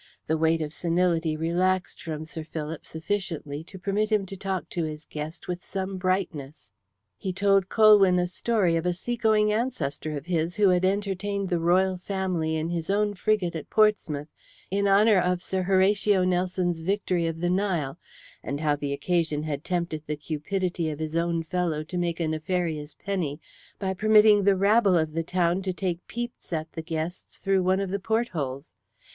The weight of senility relaxed from Sir Philip sufficiently to permit him to talk to his guest with some brightness. He told Colwyn a story of a seagoing ancestor of his who had entertained the Royal Family in his own frigate at Portsmouth in honour of Sir Horatio Nelson's victory of the Nile, and how the occasion had tempted the cupidity of his own fellow to make a nefarious penny by permitting the rabble of the town to take peeps at the guests through one of the port holes.